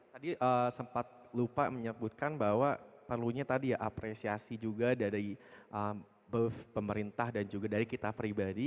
tadi sempat lupa menyebutkan bahwa perlunya tadi ya apresiasi juga dari pemerintah dan juga dari kita pribadi